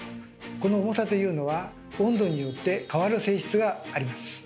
この重さというのは温度によって変わる性質があります。